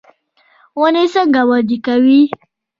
ونې څنګه وده کوي؟